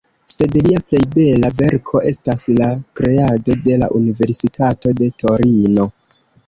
Sed lia plej bela verko estas la kreado de la universitato de Torino.